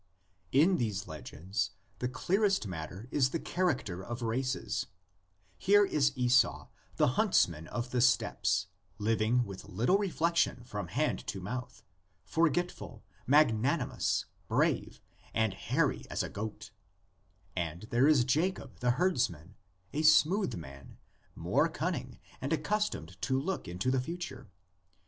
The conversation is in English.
In these legends the clearest matter is the char acter of races: here is Esau, the huntsman of the steppes, living with little reflexion from hand to mouth, forgetful, magnanimous, brave, and hairy as a goat; and there is Jacob the herdsman, a smooth man, more cunning and accustomed to look into the future.